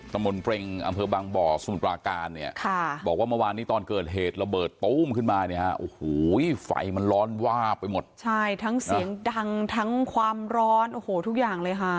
ใช่ทั้งเสียงดังทั้งความร้อนโอ้โหทุกอย่างเลยค่ะ